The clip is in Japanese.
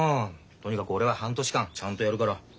とにかく俺は半年間ちゃんとやるから。